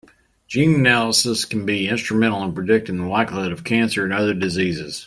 Gene analysis can be instrumental in predicting the likelihood of cancer and other diseases.